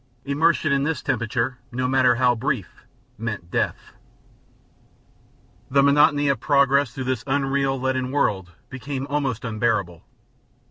Immersion in this temperature, no matter how brief, meant death. The monotony of progress through this unreal, leaden world became almost unbearable.